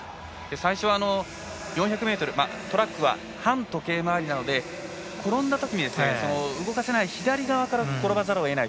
最初は４００ｍトラックは反時計回りなので転んだとき、動かせない左側から転ばざるを得ない。